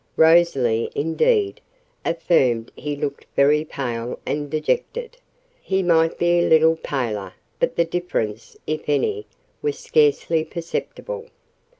Rosalie, indeed, affirmed he looked very pale and dejected: he might be a little paler; but the difference, if any, was scarcely perceptible.